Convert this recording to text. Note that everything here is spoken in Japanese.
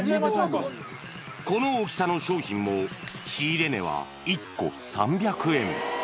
この大きさの商品も仕入れ値は１個３００円。